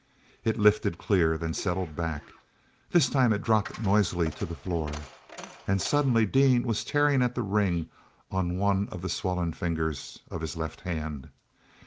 It lifted clear, then settled back. This time it dropped noisily to the floor. And suddenly Dean was tearing at the ring on one of the swollen fingers of his left hand.